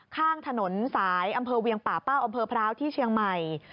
ข้างถนนสายอำเภอเวียงป่าเป้าอำเภอพร้าวที่เชียงใหม่